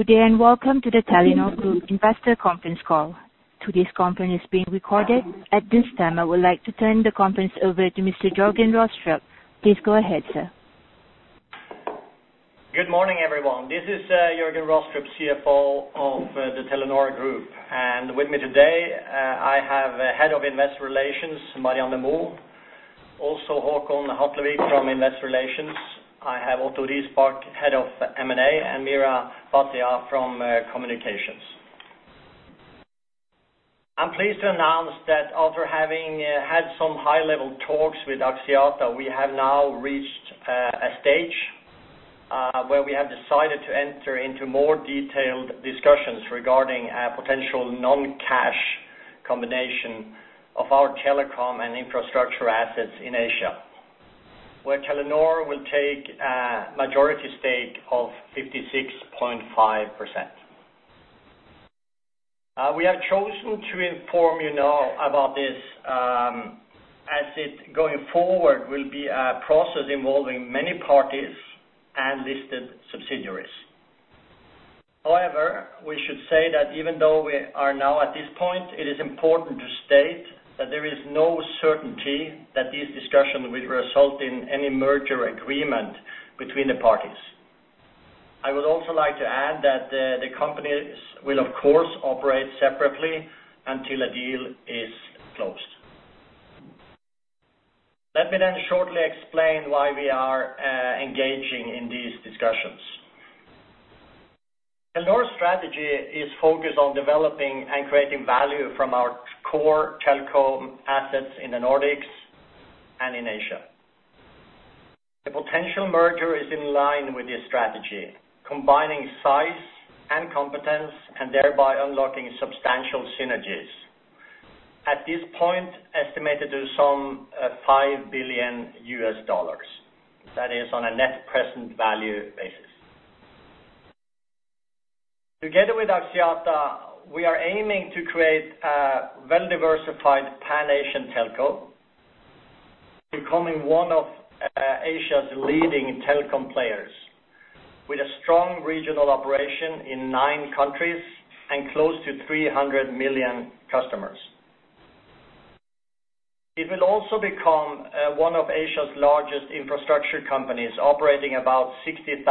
Good day, and welcome to the Telenor Group Investor Conference Call. Today's conference is being recorded. At this time, I would like to turn the conference over to Mr. Jørgen Rostrup. Please go ahead, sir. Good morning, everyone. This is Jørgen Rostrup, CFO of the Telenor Group. With me today, I have Head of Investor Relations, Marianne Moe. Also, Håkon Hatlevik from Investor Relations. I have Otto Risbakk, Head of M&A, and Meera Bhatia from Communications. I'm pleased to announce that after having had some high-level talks with Axiata, we have now reached a stage where we have decided to enter into more detailed discussions regarding a potential non-cash combination of our telecom and infrastructure assets in Asia, where Telenor will take a majority stake of 56.5%. We have chosen to inform you now about this, as it going forward will be a process involving many parties and listed subsidiaries. However, we should say that even though we are now at this point, it is important to state that there is no certainty that this discussion will result in any merger agreement between the parties. I would also like to add that, the companies will, of course, operate separately until a deal is closed. Let me then shortly explain why we are engaging in these discussions. Telenor's strategy is focused on developing and creating value from our core telco assets in the Nordics and in Asia. The potential merger is in line with this strategy, combining size and competence, and thereby unlocking substantial synergies. At this point, estimated to some $5 billion. That is on a net present value basis. Together with Axiata, we are aiming to create a well-diversified pan-Asian telco, becoming one of Asia's leading telecom players, with a strong regional operation in nine countries and close to 300 million customers. It will also become one of Asia's largest infrastructure companies, operating about 60,000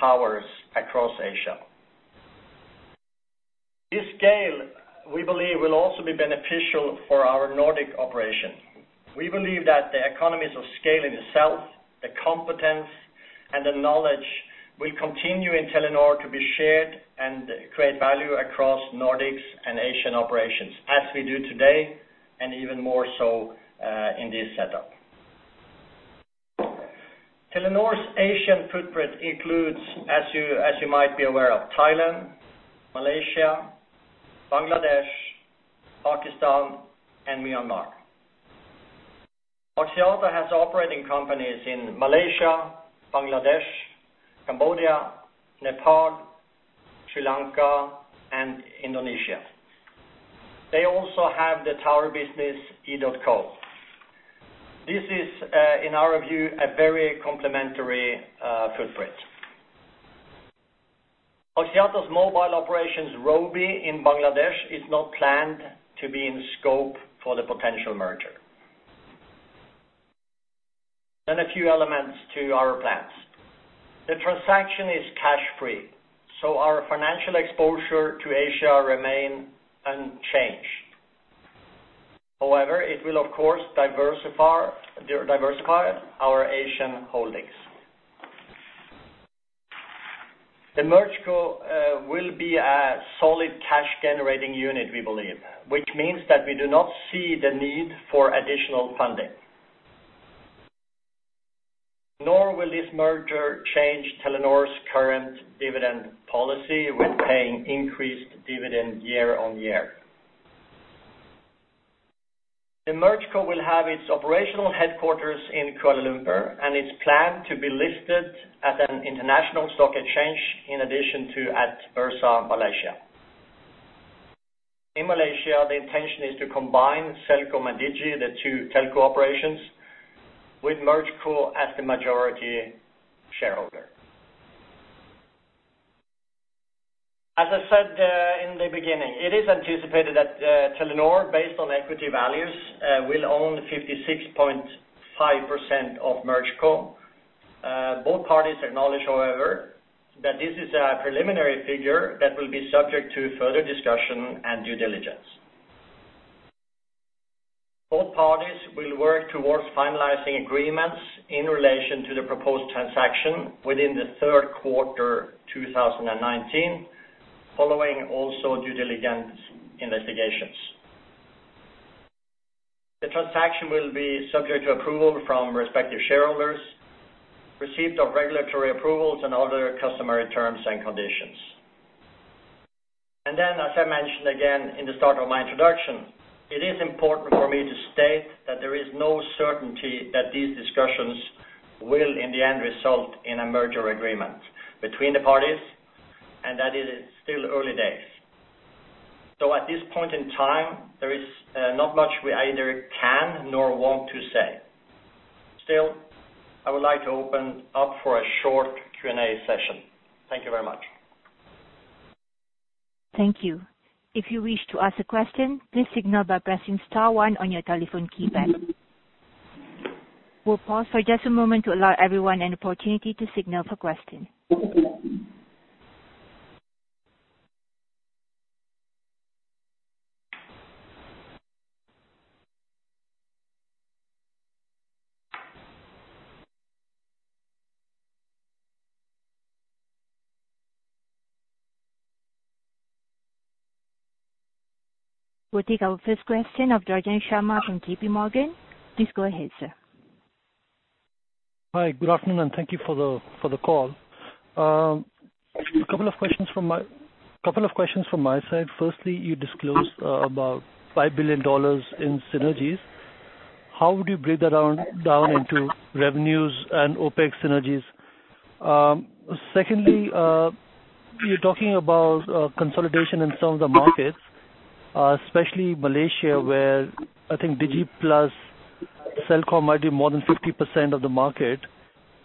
towers across Asia. This scale, we believe, will also be beneficial for our Nordic operation. We believe that the economies of scale in itself, the competence, and the knowledge will continue in Telenor to be shared and create value across Nordics and Asian operations, as we do today, and even more so in this setup. Telenor's Asian footprint includes, as you might be aware of, Thailand, Malaysia, Bangladesh, Pakistan, and Myanmar. Axiata has operating companies in Malaysia, Bangladesh, Cambodia, Nepal, Sri Lanka, and Indonesia. They also have the tower business, edotco. This is, in our view, a very complementary footprint. Axiata's mobile operations, Robi in Bangladesh, is not planned to be in scope for the potential merger. Then a few elements to our plans. The transaction is cash-free, so our financial exposure to Asia remain unchanged. However, it will, of course, diversify our Asian holdings. The MergeCo will be a solid cash-generating unit, we believe, which means that we do not see the need for additional funding. Nor will this merger change Telenor's current dividend policy with paying increased dividend year on year. The MergeCo will have its operational headquarters in Kuala Lumpur, and it's planned to be listed at an international stock exchange in addition to at Bursa Malaysia. In Malaysia, the intention is to combine Celcom and Digi, the two telco operations, with MergeCo as the majority shareholder. As I said, in the beginning, it is anticipated that, Telenor, based on equity values, will own 56.5% of MergeCo. Both parties acknowledge, however, that this is a preliminary figure that will be subject to further discussion and due diligence. Both parties will work towards finalizing agreements in relation to the proposed transaction within the third quarter 2019, following also due diligence investigations. The transaction will be subject to approval from respective shareholders, receipt of regulatory approvals, and other customary terms and conditions. And then, as I mentioned again in the start of my introduction, it is important for me to state that there is no certainty that these discussions will, in the end, result in a merger agreement between the parties, and that it is still early days. At this point in time, there is not much we either can nor want to say... I would like to open up for a short Q&A session. Thank you very much. Thank you. If you wish to ask a question, please signal by pressing star one on your telephone keypad. We'll pause for just a moment to allow everyone an opportunity to signal for question. We'll take our first question of Ranjan Sharma from JP Morgan. Please go ahead, sir. Hi, good afternoon, and thank you for the call. A couple of questions from my side. Firstly, you disclosed about $5 billion in synergies. How would you break that down into revenues and OpEx synergies? Secondly, you're talking about consolidation in some of the markets, especially Malaysia, where I think Digi plus Celcom might be more than 50% of the market.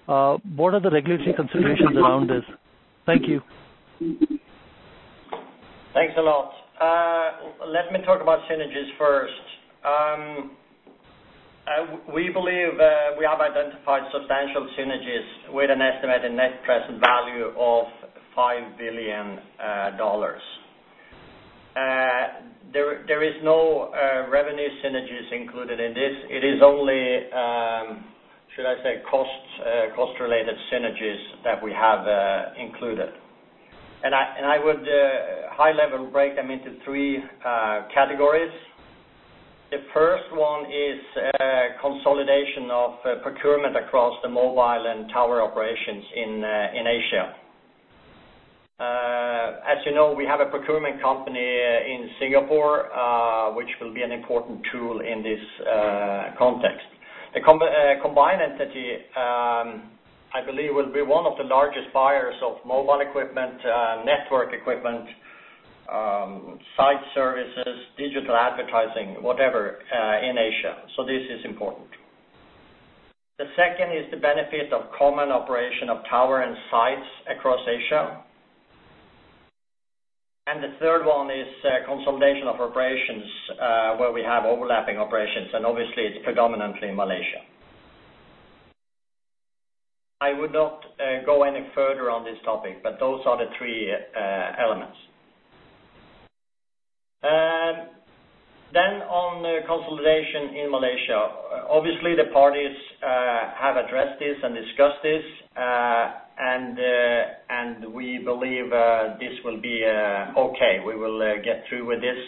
What are the regulatory considerations around this? Thank you. Thanks a lot. Let me talk about synergies first. We believe we have identified substantial synergies with an estimated net present value of $5 billion. There is no revenue synergies included in this. It is only, should I say, cost, cost-related synergies that we have included. I would high level break them into three categories. The first one is consolidation of procurement across the mobile and tower operations in Asia. As you know, we have a procurement company in Singapore, which will be an important tool in this context. The combined entity, I believe, will be one of the largest buyers of mobile equipment, network equipment, site services, digital advertising, whatever, in Asia, so this is important. The second is the benefit of common operation of tower and sites across Asia. The third one is consolidation of operations where we have overlapping operations, and obviously it's predominantly in Malaysia. I would not go any further on this topic, but those are the three elements. Then on the consolidation in Malaysia, obviously, the parties have addressed this and discussed this, and we believe this will be okay. We will get through with this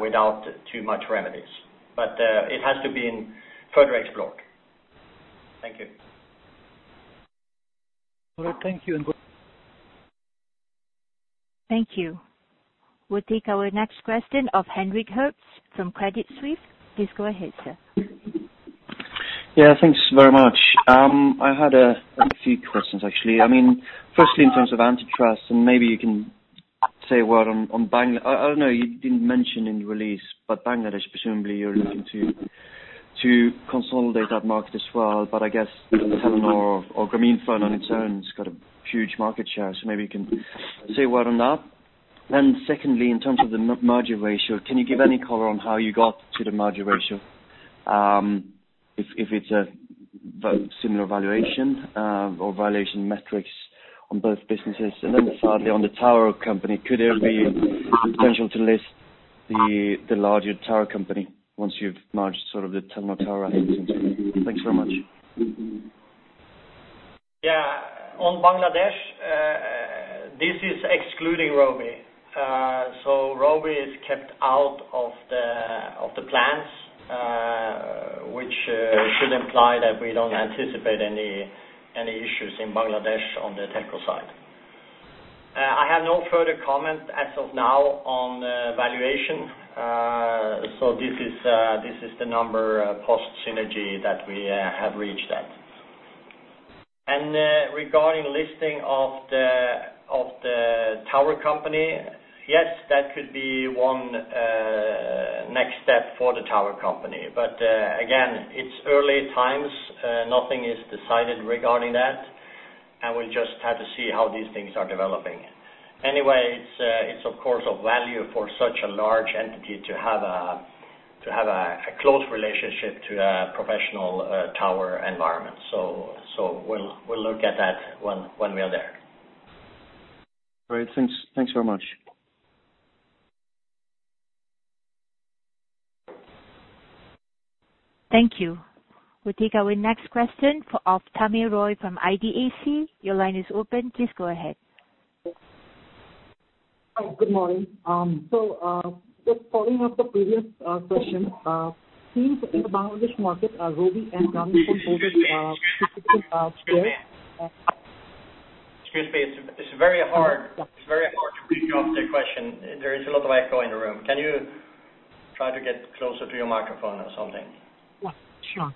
without too much remedies, but it has to be further explored. Thank you. All right, thank you, and go- Thank you. We'll take our next question of Henrik Herbst from Credit Suisse. Please go ahead, sir. Yeah, thanks very much. I had a few questions, actually. I mean, firstly, in terms of antitrust, and maybe you can say a word on Bangladesh. You didn't mention in your release, but Bangladesh, presumably you're looking to consolidate that market as well. But I guess, Telenor or Grameenphone on its own, it's got a huge market share, so maybe you can say a word on that. And secondly, in terms of the merger ratio, can you give any color on how you got to the merger ratio? If it's a similar valuation or valuation metrics on both businesses? And then thirdly, on the tower company, could there be potential to list the larger tower company once you've merged sort of the Telenor tower? Thanks very much. Yeah. On Bangladesh, this is excluding Robi. So Robi is kept out of the plans, which should imply that we don't anticipate any issues in Bangladesh on the Telco side. I have no further comment as of now on the valuation. So this is the number post synergy that we have reached at. And regarding listing of the tower company, yes, that could be one next step for the tower company. But again, it's early times, nothing is decided regarding that, and we'll just have to see how these things are developing. Anyway, it's of course a value for such a large entity to have a close relationship to the professional tower environment. So we'll look at that when we are there. Great. Thanks. Thanks very much. Thank you. We'll take our next question of Tami Roy from IDLC. Your line is open. Please go ahead. Hi, good morning. So, just following up the previous question, in the Bangladesh market, Robi and Grameenphone, Excuse me, it's, it's very hard. It's very hard to pick up the question. There is a lot of echo in the room. Can you try to get closer to your microphone or something? Yeah,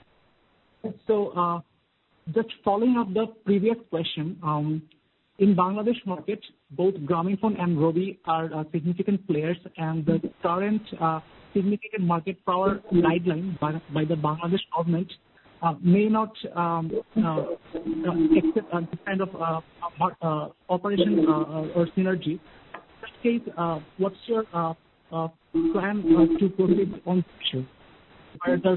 sure. So, just following up the previous question, ...In the Bangladesh market, both Grameenphone and Robi are significant players, and the current significant market power guideline by the Bangladesh government may not kind of operation or synergy. In that case, what's your plan to proceed on this issue? Where the regulatory environment interferes with your plans. So it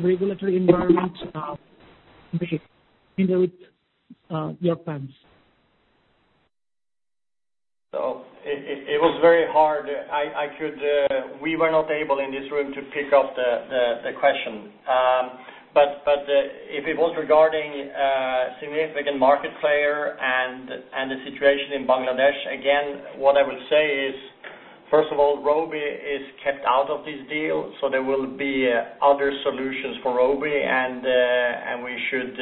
was very hard. I could. We were not able in this room to pick up the question. But if it was regarding significant market power and the situation in Bangladesh, again, what I would say is, first of all, Robi is kept out of this deal, so there will be other solutions for Robi, and we should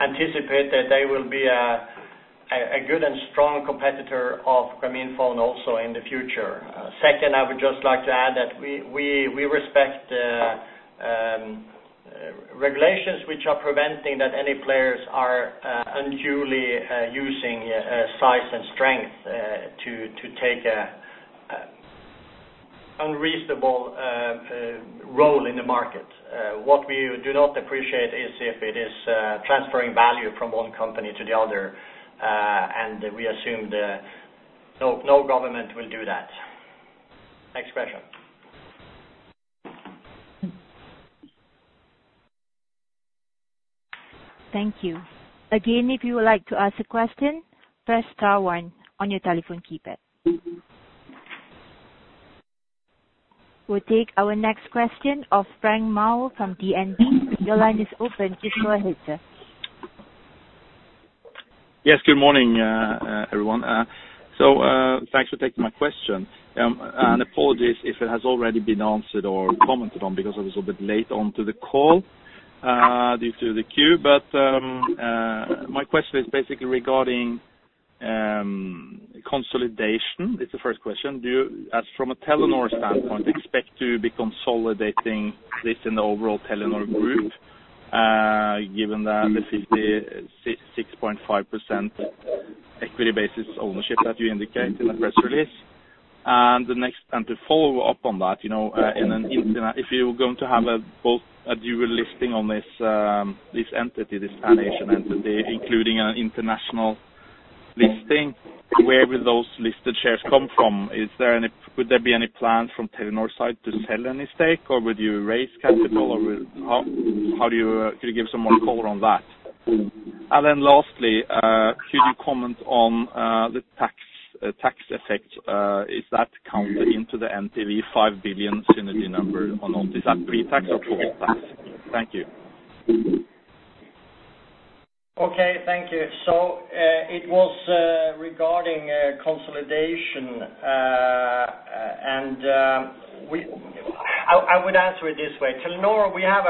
anticipate that they will be a good and strong competitor of Grameenphone also in the future. Second, I would just like to add that we respect the regulations which are preventing that any players are unduly using size and strength to take a unreasonable role in the market. What we do not appreciate is if it is transferring value from one company to the other, and we assume no government will do that. Next question. Thank you. Again, if you would like to ask a question, press star one on your telephone keypad. We'll take our next question of Frank Maa�� from DNB. Your line is open. Please go ahead, sir. Yes, good morning, everyone. So, thanks for taking my question. And apologies if it has already been answered or commented on, because I was a bit late onto the call, due to the queue. But, my question is basically regarding consolidation. It's the first question: do you, as from a Telenor standpoint, expect to be consolidating this in the overall Telenor group, given that the 56.5% equity basis ownership that you indicate in the press release? And the next—and to follow up on that, you know, if you're going to have both a dual listing on this, this entity, this Asian entity, including an international listing, where will those listed shares come from? Would there be any plans from Telenor side to sell any stake, or would you raise capital? How do you could you give some more color on that? And then lastly, could you comment on the tax effect? Is that counted into the NPV $5 billion synergy number or not? Is that pre-tax or post-tax? Thank you. Okay, thank you. So, it was regarding consolidation. I would answer it this way. Telenor, we have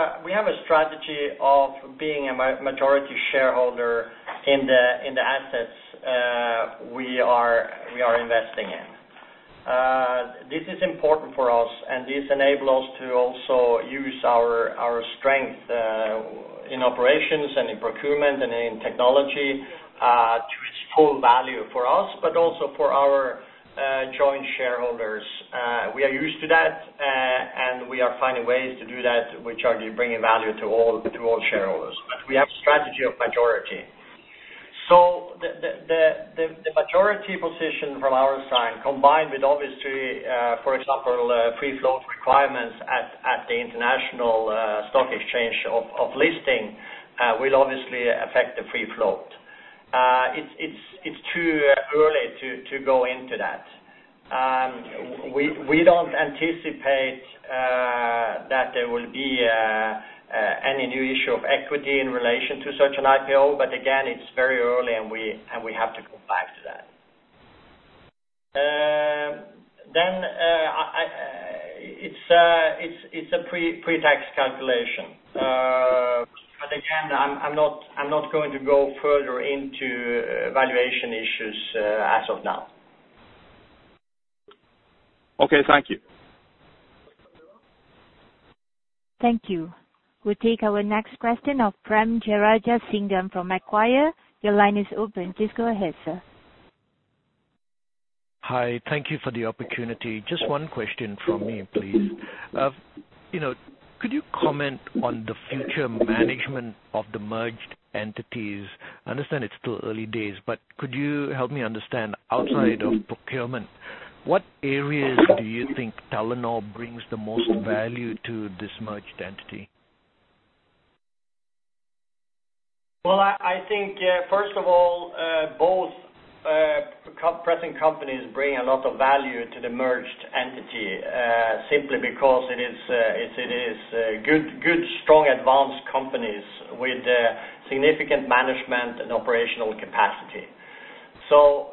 a strategy of being a majority shareholder in the assets we are investing in. This is important for us, and this enable us to also use our strength in operations and in procurement and in technology to its full value for us, but also for our joint shareholders. We are used to that, and we are finding ways to do that, which are bringing value to all, to all shareholders. But we have a strategy of majority. So the majority position from our side, combined with obviously, for example, free flow requirements at the international stock exchange of listing, will obviously affect the free flow. It's too early to go into that. We don't anticipate that there will be any new issue of equity in relation to such an IPO, but again, it's very early, and we have to go back to that. It's a pre-tax calculation. But again, I'm not going to go further into valuation issues as of now. Okay. Thank you. Thank you. We'll take our next question of Prem Jearajasingam from Macquarie. Your line is open. Please go ahead, sir. Hi. Thank you for the opportunity. Just one question from me, please. You know, could you comment on the future management of the merged entities? I understand it's still early days, but could you help me understand, outside of procurement, what areas do you think Telenor brings the most value to this merged entity? Well, I think first of all, both present companies bring a lot of value to the merged entity, simply because it is good, good, strong, advanced companies with significant management and operational capacity. So,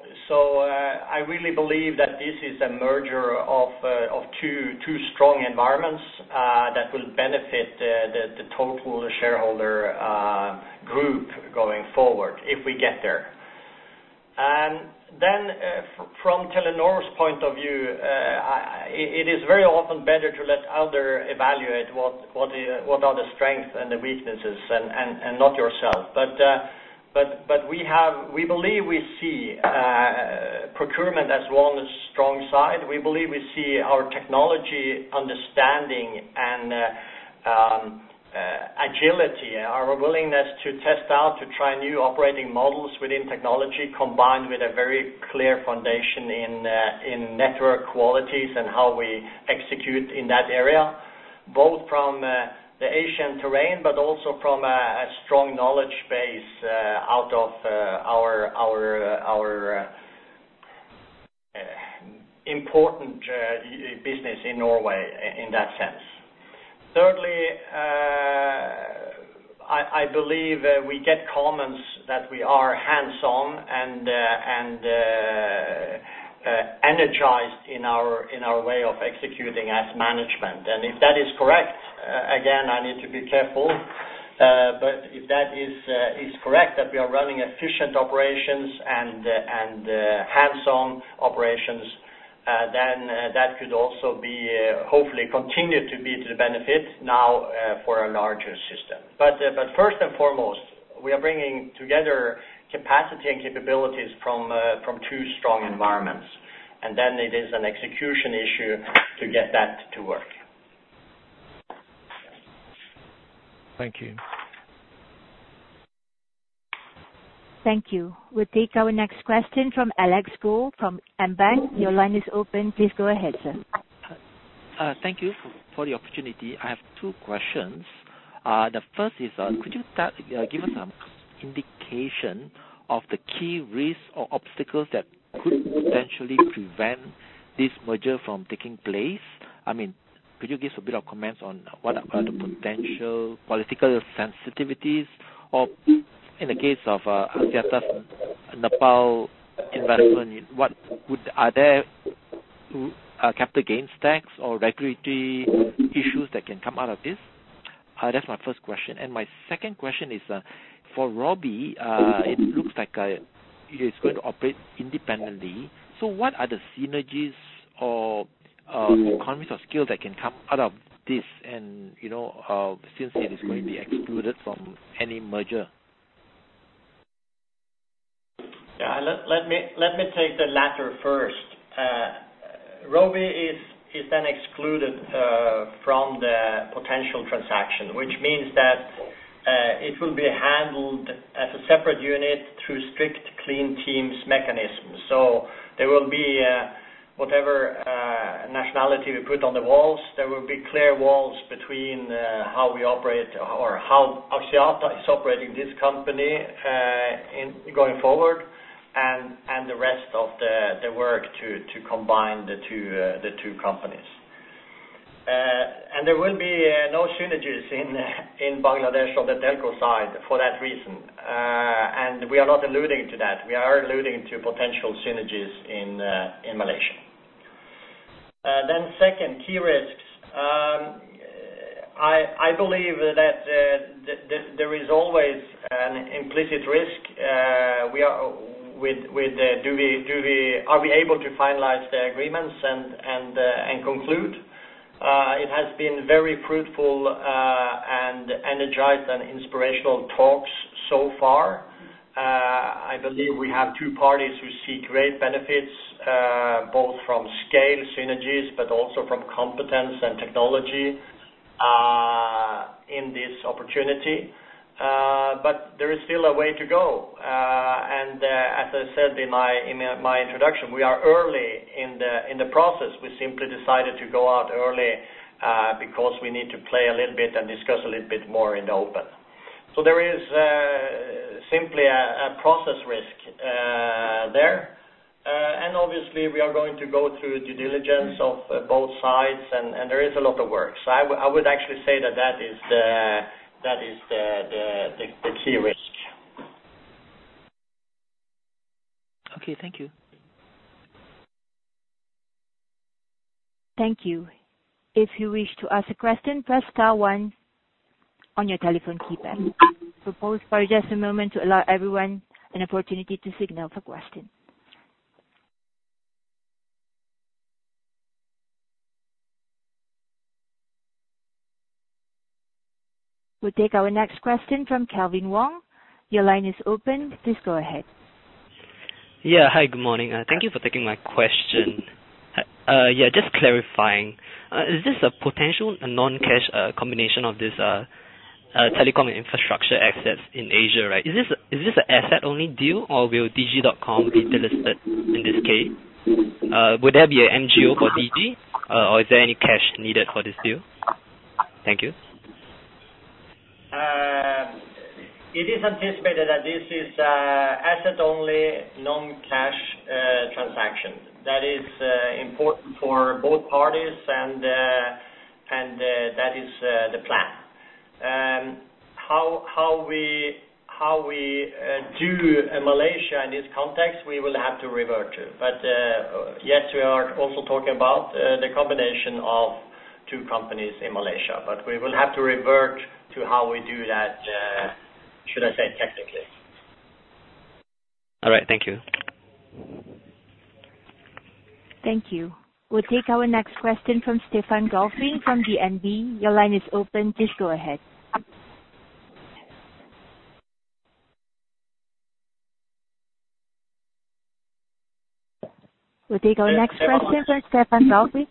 I really believe that this is a merger of two strong environments that will benefit the total shareholder group going forward, if we get there. And then, from Telenor's point of view, it is very often better to let other evaluate what the strengths and the weaknesses are and not yourself. But we believe we see procurement as one strong side. We believe we see our technology understanding and agility, our willingness to test out, to try new operating models within technology, combined with a very clear foundation in network qualities and how we execute in that area, both from the Asian terrain, but also from a strong knowledge base out of our important business in Norway, in that sense. Thirdly, I believe we get comments that we are hands-on and energized in our way of executing as management. And if that is correct, again, I need to be careful. But if that is correct, that we are running efficient operations and hands-on operations, then that could also be hopefully continue to be to the benefit now for a larger system. But first and foremost, we are bringing together capacity and capabilities from two strong environments, and then it is an execution issue to get that to work. Thank you. Thank you. We'll take our next question from Alex Goh, from AmBank. Your line is open. Please go ahead, sir. Thank you for the opportunity. I have two questions. The first is, could you start, give us some indication of the key risks or obstacles that could potentially prevent this merger from taking place? I mean, could you give us a bit of comments on what are the potential political sensitivities, or in the case of, Axiata Nepal investment, are there, capital gains tax or regulatory issues that can come out of this? That's my first question. And my second question is, for Robi, it looks like, it is going to operate independently. So what are the synergies or, economies of skill that can come out of this? And, you know, since it is going to be excluded from any merger. Yeah. Let me take the latter first. Robi is then excluded from the potential transaction, which means that it will be handled as a separate unit through strict clean teams mechanisms. So there will be, whatever nationality we put on the walls, there will be clear walls between how we operate or how Axiata is operating this company in going forward and the rest of the work to combine the two companies. And there will be no synergies in Bangladesh on the telco side for that reason. And we are not alluding to that. We are alluding to potential synergies in Malaysia. Then second, key risks. I believe that there is always an implicit risk, are we able to finalize the agreements and conclude? It has been very fruitful and energized and inspirational talks so far. I believe we have two parties who see great benefits both from scale synergies, but also from competence and technology in this opportunity. But there is still a way to go. And as I said in my introduction, we are early in the process. We simply decided to go out early because we need to play a little bit and discuss a little bit more in the open. So there is simply a process risk there. Obviously, we are going to go through due diligence of both sides, and there is a lot of work. So I would actually say that that is the key risk. Okay. Thank you. Thank you. If you wish to ask a question, press star one on your telephone keypad. Pause for just a moment to allow everyone an opportunity to signal for a question. We'll take our next question from Calvin Wong. Your line is open. Please go ahead. Yeah. Hi, good morning. Thank you for taking my question. Yeah, just clarifying, is this a potential non-cash combination of this telecom infrastructure assets in Asia, right? Is this an asset-only deal, or will Digi.Com be delisted in this case? Would there be an MGO for Digi, or is there any cash needed for this deal? Thank you. It is anticipated that this is asset-only, non-cash transaction. That is important for both parties, and that is the plan. How we do a Malaysia in this context, we will have to revert to. But yes, we are also talking about the combination of two companies in Malaysia, but we will have to revert to how we do that, should I say, technically?... All right, thank you. Thank you. We'll take our next question from Stefan Gauffin from DNB. Your line is open. Please go ahead. We'll take our next question from Stefan Gauffin.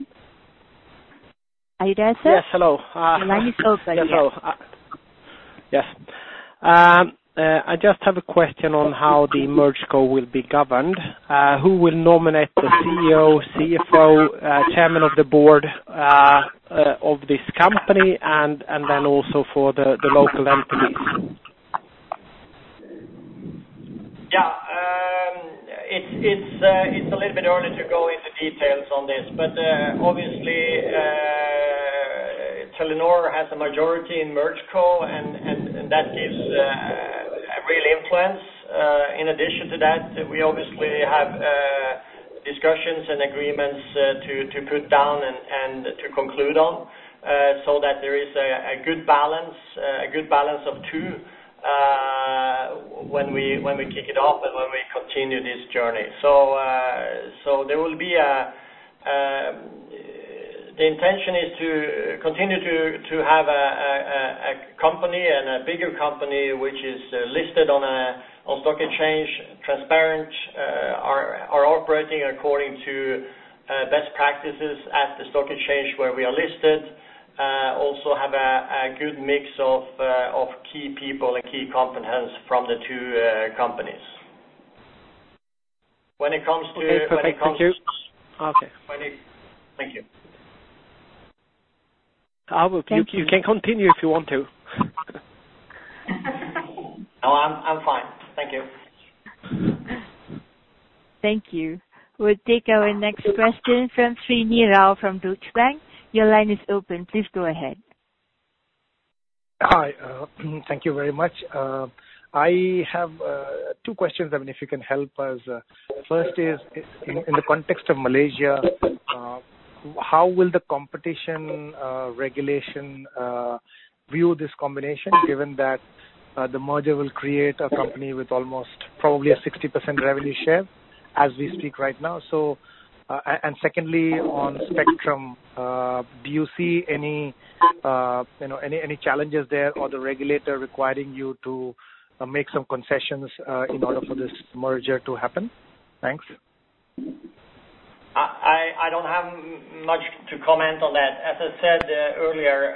Are you there, sir? Yes, hello. The line is open, yes. Hello. Yes. I just have a question on how the MergeCo will be governed. Who will nominate the CEO, CFO, chairman of the board, of this company, and then also for the local entities? Yeah. It's a little bit early to go into details on this. But, obviously, Telenor has a majority in MergeCo, and that gives a real influence. In addition to that, we obviously have discussions and agreements to put down and to conclude on, so that there is a good balance, a good balance of two, when we kick it off and when we continue this journey. So, so there will be a... The intention is to continue to have a company and a bigger company, which is listed on a stock exchange, transparent, operating according to best practices at the stock exchange where we are listed. Also have a good mix of key people and key competence from the two companies. When it comes to- Okay, perfect. Thank you. Okay. Thank you. I will. You can continue if you want to. No, I'm fine. Thank you. Thank you. We'll take our next question from Srini Rao from Deutsche Bank. Your line is open. Please go ahead. Hi. Thank you very much. I have two questions, I mean, if you can help us. First is, in the context of Malaysia, how will the competition regulation view this combination, given that the merger will create a company with almost probably a 60% revenue share, as we speak right now? So, and secondly, on spectrum, do you see any, you know, any challenges there, or the regulator requiring you to make some concessions in order for this merger to happen? Thanks. I don't have much to comment on that. As I said, earlier,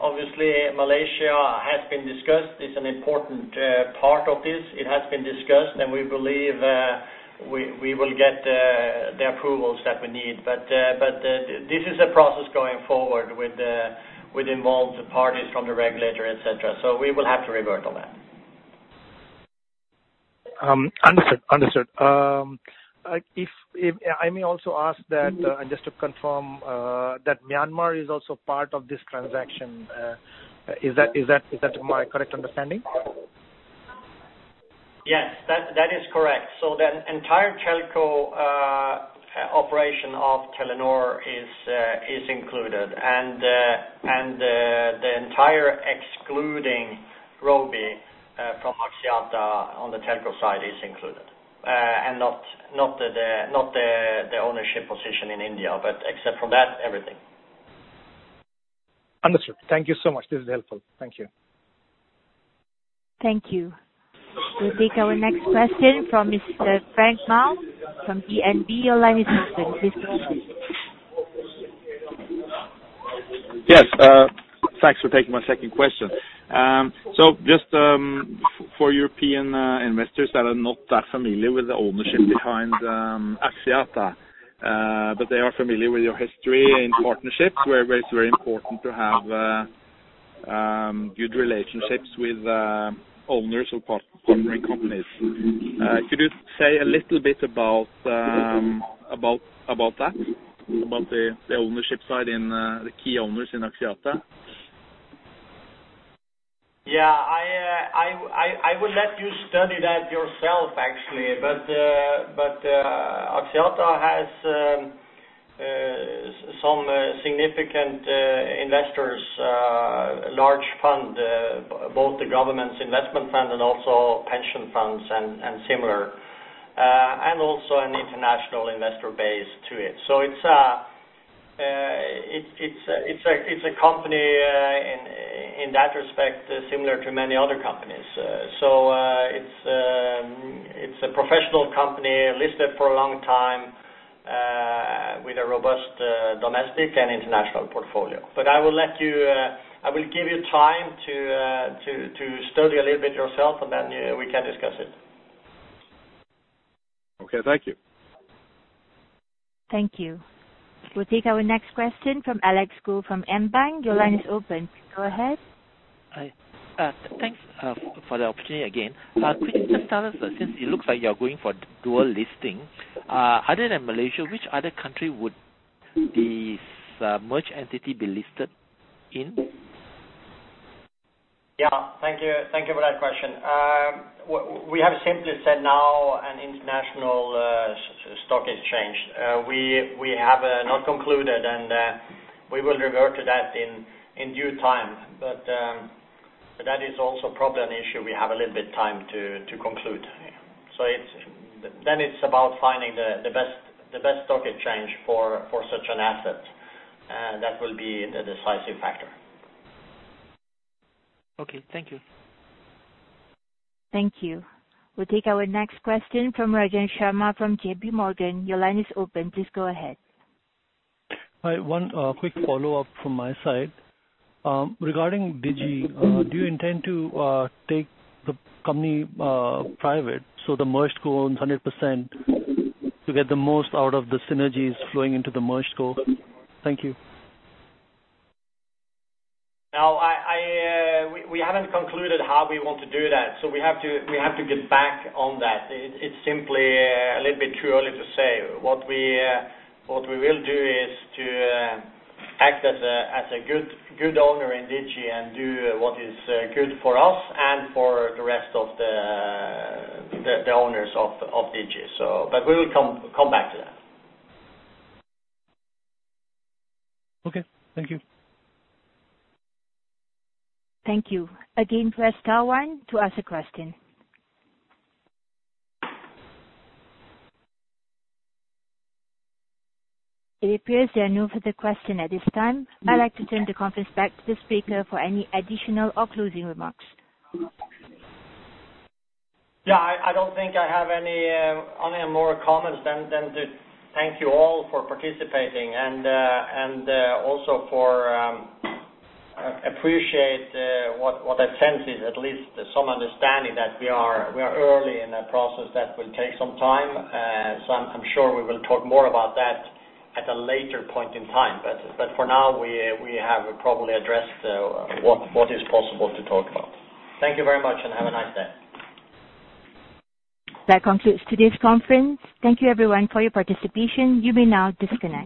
obviously, Malaysia has been discussed. It's an important part of this. It has been discussed, and we believe we will get the approvals that we need. But this is a process going forward with the involved parties from the regulator, et cetera, so we will have to revert on that. Understood, understood. If I may also ask that, just to confirm, that Myanmar is also part of this transaction. Is that my correct understanding? Yes, that is correct. So the entire telco operation of Telenor is included, and the entire excluding Robi from Axiata on the telco side is included. And not the ownership position in India, but except for that, everything. Understood. Thank you so much. This is helpful. Thank you. Thank you. We'll take our next question from Mr. Frank Maa��, from DNB. Your line is open. Please go ahead. Yes, thanks for taking my second question. So just, for European investors that are not that familiar with the ownership behind Axiata, but they are familiar with your history and partnerships, where it's very important to have good relationships with owners of partnering companies. Could you say a little bit about that? About the ownership side and the key owners in Axiata? Yeah, I will let you study that yourself, actually. But Axiata has some significant investors, large fund, both the government's investment fund and also pension funds and similar, and also an international investor base to it. So it's a company, in that respect, similar to many other companies. So it's a professional company, listed for a long time, with a robust domestic and international portfolio. But I will let you, I will give you time to study a little bit yourself, and then we can discuss it. Okay. Thank you. Thank you. We'll take our next question from Alex Goh, from AmBank. Your line is open. Go ahead. Hi. Thanks for the opportunity again. Could you just tell us, since it looks like you're going for dual listing, other than Malaysia, which other country would this merge entity be listed in? Yeah. Thank you, thank you for that question. We have simply said now an international stock exchange. We have not concluded, and we will revert to that in due time. But that is also probably an issue we have a little bit time to conclude. So it's about finding the best stock exchange for such an asset that will be the decisive factor. Okay, thank you. Thank you. We'll take our next question from Ranjan Sharma from JP Morgan. Your line is open. Please go ahead. Hi, one quick follow-up from my side. Regarding Digi, do you intend to take the company private so the merged co owns 100% to get the most out of the synergies flowing into the merged co? Thank you. Now, we haven't concluded how we want to do that, so we have to get back on that. It's simply a little bit too early to say. What we will do is to act as a good owner in Digi and do what is good for us and for the rest of the owners of Digi. So but we will come back to that. Okay, thank you. Thank you. Again, press star one to ask a question. It appears there are no further question at this time. I'd like to turn the conference back to the speaker for any additional or closing remarks. Yeah, I don't think I have any more comments than just thank you all for participating, and also for appreciate what I sense is at least some understanding that we are early in a process that will take some time. So I'm sure we will talk more about that at a later point in time. But for now, we have probably addressed what is possible to talk about. Thank you very much, and have a nice day. That concludes today's conference. Thank you everyone for your participation. You may now disconnect.